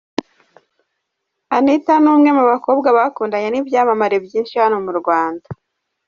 Anita ni umwe mu bakobwa bakundanye n’ibyamamare byinshi hano mu Rwanda.